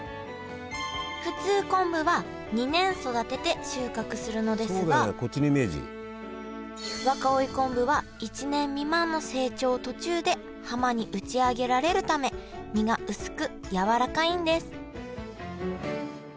普通昆布は２年育てて収穫するのですが若生昆布は１年未満の成長途中で浜に打ち上げられるため身が薄く柔らかいんです